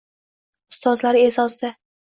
Ustozlar e’zozda